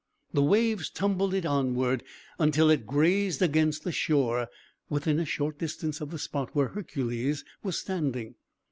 The waves tumbled it onward, until it grazed against the shore, within a short distance of the spot where Hercules was standing.